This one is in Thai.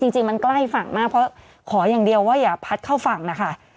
จริงมันใกล้ฝั่งมากเพราะขออย่างเดียวว่าอย่าพัดเข้าฝั่งนะคะ